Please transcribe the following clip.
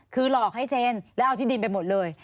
คือหลอกให้เซ็นแล้วเอาที่ดินไปหมดเลย